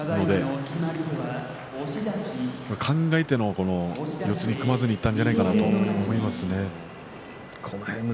狼雅、考えて四つに組まずにいったんじゃないかと思いますね。